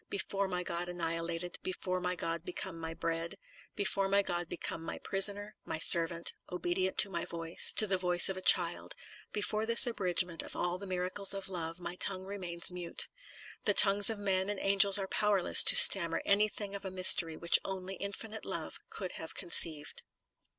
Before my God annihilated, before my God become my bread; before my God become my prisoner, my servant, obedient to my voice, to the voice of a child; before this abridgment of all the miracles of love, my tongue remains mute. The tongues of men and angels are powerless to stammer any thing of a mystery which only infinite love could have conceived.